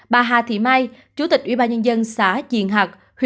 bà hà thị mai chủ tịch ủy ban nhân dân xã diền hạc